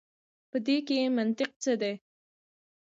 په دې کښي منطق څه دی.